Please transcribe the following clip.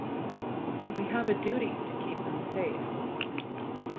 We have a duty to keep them safe.